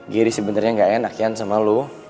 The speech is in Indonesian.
giri sebenernya gak enak ya sama lo